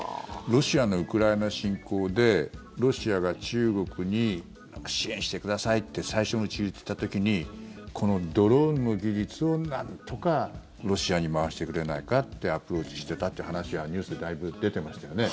ロシアのウクライナ侵攻でロシアが中国に支援してくださいって最初のうち、言っていた時にこのドローンの技術をなんとかロシアに回してくれないかってアプローチしていたという話はニュースでだいぶ出てましたよね。